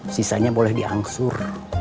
sisanya boleh diangsur